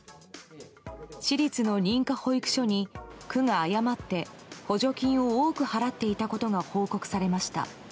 私立の認可保育所に区が誤って補助金を多く払っていたことが報告されました。